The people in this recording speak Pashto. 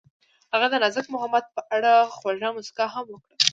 هغې د نازک محبت په اړه خوږه موسکا هم وکړه.